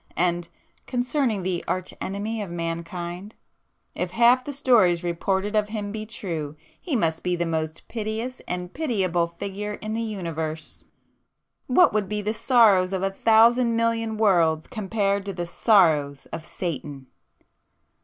And, ... concerning the Arch Enemy of mankind,—if half the stories reported of him be true, he must be the most piteous and pitiable figure in the Universe! What would be the sorrows of a thousand million worlds, compared to the sorrows of Satan!"